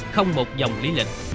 không một dòng lý lịch